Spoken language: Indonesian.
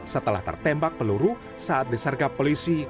setelah tertembak peluru saat disergap polisi